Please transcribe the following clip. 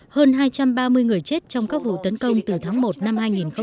hơn hai trăm ba mươi người chết trong các vụ tấn công từ tháng một năm hai nghìn một mươi chín